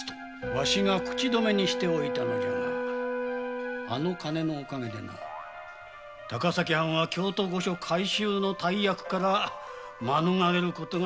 わしが口止めしておいたのだがあの金のおかげで高崎藩は京都御所改修の大役から免れることができたのじゃ。